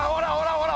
ほら！